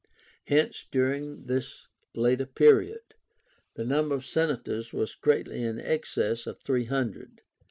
Hence, during this later period, the number of Senators was greatly in excess of three hundred.